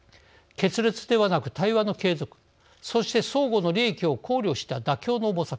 決裂ではなく対話の継続そして相互の利益を考慮した妥協の模索」